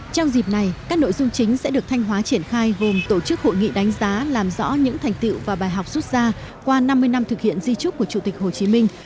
trong dịp này các nội dung chính sẽ được thanh hóa triển khai gồm tổ chức hội nghị đánh giá làm rõ những thành tiệu và bài học rút ra qua năm mươi năm thực hiện di trúc của chủ tịch hồ chí minh